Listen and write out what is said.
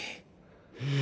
うん。